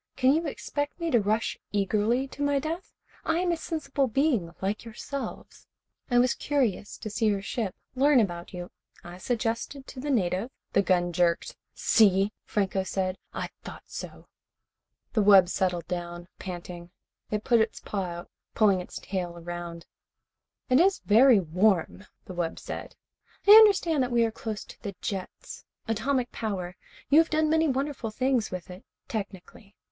Can you expect me to rush eagerly to my death? I am a sensible being like yourselves. I was curious to see your ship, learn about you. I suggested to the native " The gun jerked. "See," Franco said. "I thought so." The wub settled down, panting. It put its paw out, pulling its tail around it. "It is very warm," the wub said. "I understand that we are close to the jets. Atomic power. You have done many wonderful things with it technically.